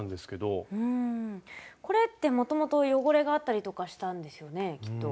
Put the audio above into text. これってもともと汚れがあったりとかしたんですよねきっと。